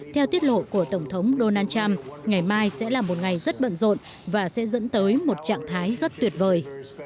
theo tiết lộ của tổng thống donald trump ngày mai sẽ là một ngày rất bận rộn và sẽ dẫn tới một trạng thái rất tuyệt vời